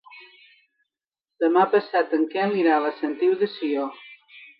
Demà passat en Quel irà a la Sentiu de Sió.